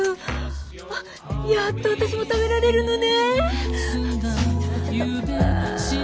あっやっと私も食べられるのね。